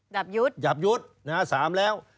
ดับยุทธ์ดับยุทธ์สามแล้ว